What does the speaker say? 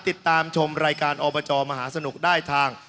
ติดตามชมรายการอบจมหาสนุกได้ทาง